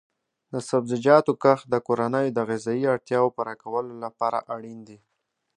د سبزیجاتو کښت د کورنیو د غذایي اړتیاو پوره کولو لپاره اړین دی.